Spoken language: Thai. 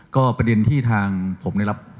ก็ประเด็นที่ทางผมได้รับ